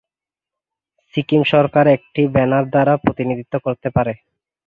সিকিম সরকার একটি ব্যানার দ্বারা প্রতিনিধিত্ব করতে পারে।